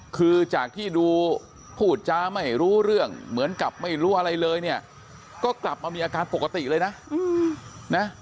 คือจากที่ดูพูดจ้าไม่รู้เรื่องเหมือนกับไม่รู้อะไรเลยเนี่ยก็กลับมามีอาการปกติเลยนะ